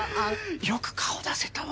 よく顔出せたわね。